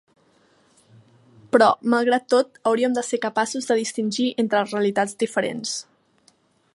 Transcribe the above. Però, malgrat tot, hauríem de ser capaços de distingir entre realitats diferents.